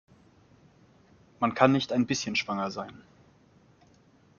Man kann nicht ein bisschen schwanger sein.